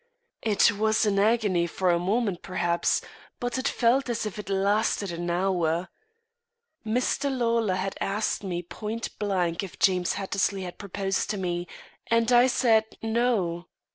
It was an agony for a moment perhaps, but it felt as if it lasted an hour. Mr. Lawlor had asked me point blank if James Hattersley had proposed to me, and I said, 'No.'